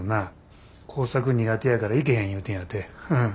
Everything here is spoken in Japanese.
工作苦手やから行けへん言うてんやて。